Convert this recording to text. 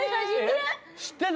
知ってる？